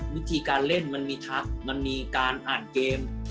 วิธีการเล่นมันมีทักมันมีการอ่านเกม